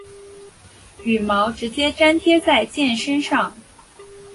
羽毛直接粘贴在箭身上。